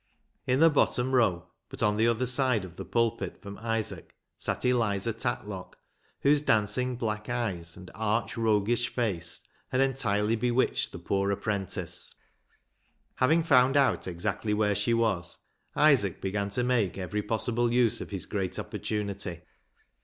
In the bottom row, but on the other side of the pulpit from Isaac, sat Eliza Tatlock, whose dancing black eyes and arch roguish face had entirely bewitched the poor apprentice. Having found out exactly where she was, Isaac began to make every possible use of his great opportunity.